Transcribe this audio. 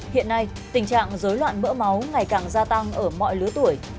hiện nay tình trạng dối loạn mỡ máu ngày càng gia tăng ở mọi lứa tuổi